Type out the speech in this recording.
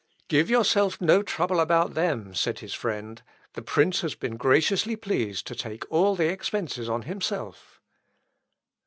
"Give yourself no trouble about them," said his friend. "The prince has been graciously pleased to take all the expences on himself."